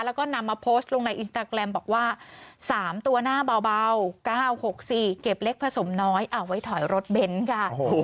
แล้วก็นำมาโพสต์ลงในอินสตาแกรมบอกว่า๓ตัวหน้าเบา๙๖๔เก็บเล็กผสมน้อยเอาไว้ถอยรถเบนท์ค่ะ